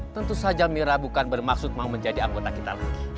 tentu saja mira bukan bermaksud mau menjadi anggota kita lagi